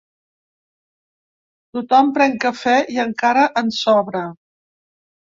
Tothom pren cafè i encara en sobra.